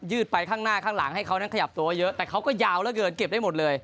ยืดไปข้างหน้าข้างหลังให้เรากระยับโตเยอะแต่เขาก็ยาวอะเกินเก็บได้หมดเลย